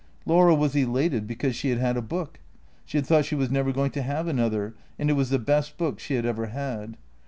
Laura was elated because she had had a book. She had thought she was never going to have another, and it was the best book she had ever had.